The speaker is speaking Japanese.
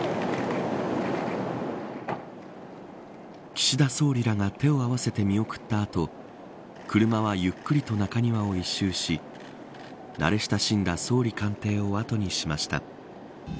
岸田総理らが手を合わせて見送った後車はゆっくりと中庭を一周し慣れ親しんだ総理官邸を後にしました。